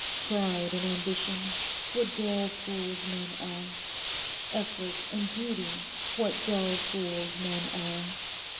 Pride and ambition; what dull fools men are! Effort and duty, what dull fools men are!